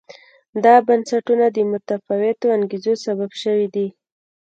دا بنسټونه د متفاوتو انګېزو سبب شوي دي.